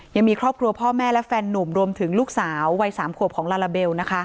ยังมีครอบครัวพ่อแม่และแฟนหนุ่มรวมถึงลูกสาววัย๓ขวบของลาลาเบลนะคะ